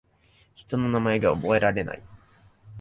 人の名前が覚えられない